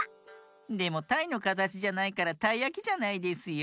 でもたいのかたちじゃないからたいやきじゃないですよ。